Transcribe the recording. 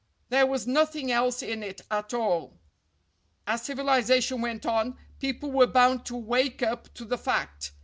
There was nothing else in it at all. As civiliza tion went on people were bound to wake up to the fact.